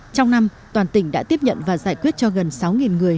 trong năm toàn tỉnh đã tiếp nhận và giải quyết cho gần sáu người